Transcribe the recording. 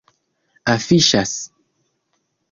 afiŝas